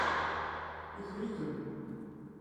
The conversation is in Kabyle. Yuker-ikem.